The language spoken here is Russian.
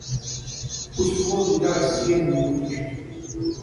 Пусть флоты ярость сиренами вырычут!